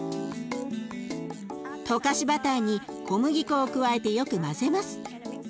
溶かしバターに小麦粉を加えてよく混ぜます。